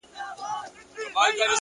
هره هڅه د شخصیت جوړونې برخه ده.!